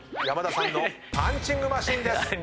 山田さんのパンチングマシーンです。